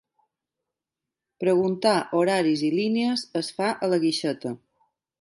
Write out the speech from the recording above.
Preguntar horaris i línies es fa a la guixeta.